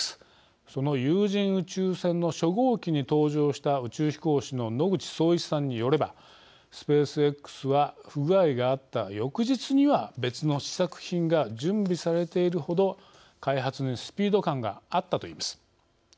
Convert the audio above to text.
その有人宇宙船の初号機に搭乗した宇宙飛行士の野口聡一さんによればスペースＸは不具合があった翌日には別の試作品が準備されているほど開発にスピード感があったといいます。